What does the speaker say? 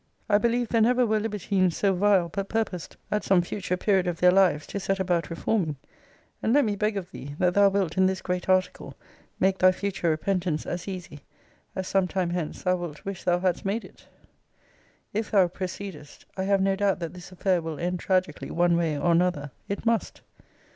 I believe there never were libertines so vile, but purposed, at some future period of their lives, to set about reforming: and let me beg of thee, that thou wilt, in this great article, make thy future repentance as easy, as some time hence thou wilt wish thou hadst made it. If thou proceedest, I have no doubt that this affair will end tragically, one way or another. It must.